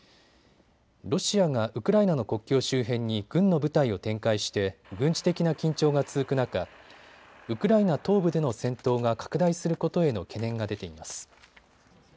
ロシアがウクライナの国境周辺に軍の部隊を展開して軍事的な緊張が続く中、ウクライナ東部での戦闘が拡大することへの懸念が出ています。